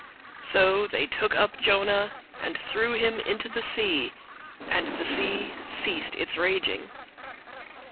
001:015 So they took up Jonah, and threw him into the sea; and the sea ceased its raging.